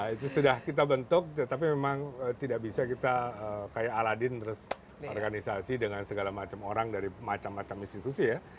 itu sudah kita bentuk tetapi memang tidak bisa kita kayak aladin terus organisasi dengan segala macam orang dari macam macam institusi ya